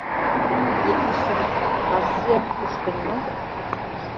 Епишым Арсиак пуштын мо?